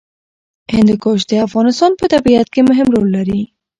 هندوکش د افغانستان په طبیعت کې مهم رول لري.